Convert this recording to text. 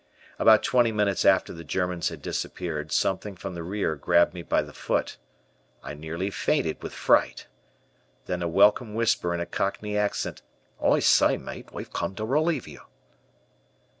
About twenty minutes after the Germans had disappeared, something from the rear grabbed me by the foot. I nearly fainted with fright. Then a welcome whisper in a cockney accent. "I s'y, myte, we've come to relieve you."